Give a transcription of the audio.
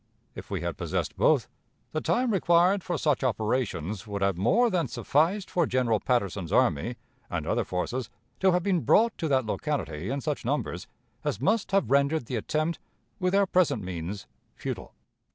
If we had possessed both, the time required for such operations would have more than sufficed for General Patterson's army and other forces to have been brought to that locality in such numbers as must have rendered the attempt, with our present means, futile.